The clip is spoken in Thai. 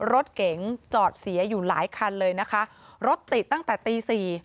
รถเก๋งจอดเสียอยู่หลายคันเลยนะคะรถติดตั้งแต่ตีสี่